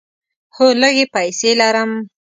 هو، لږې پیسې لرم